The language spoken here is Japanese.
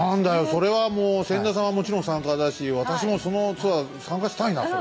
それはもう千田さんはもちろん参加だし私もそのツアー参加したいなそれ。